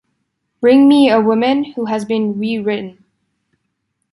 Bring me a woman who has been re-written.